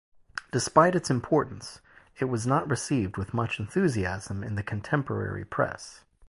Despite its importance, it was not received with much enthusiasm in the contemporary press.